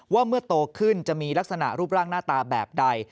ว่าเมื่อโตขึ้นจะมีลักษณะรูปร่างหน้าตาแบบใด